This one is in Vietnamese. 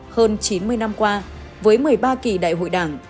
hơn chín mươi năm qua với một mươi ba kỳ đại hội đảng